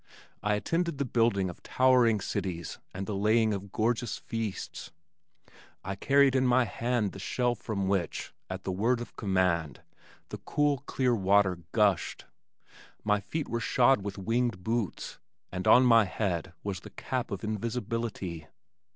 I attended the building of towered cities and the laying of gorgeous feasts. I carried in my hand the shell from which, at the word of command, the cool clear water gushed. My feet were shod with winged boots, and on my head was the Cap of Invisibility.